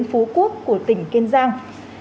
phú quốc của tỉnh kiên giang